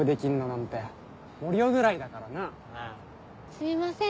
すいません。